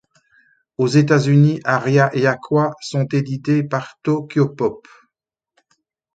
Aux États-Unis, Aria et Aqua sont édités par Tokyopop.